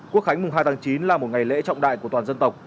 quốc khánh mùng hai tháng chín là một ngày lễ trọng đại của toàn dân tộc